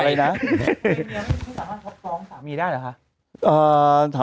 เมียไม่ได้ที่สามารถฟ้องสามีได้หรือคะ